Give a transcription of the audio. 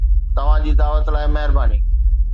توهان جي دعوت لاء مهرباني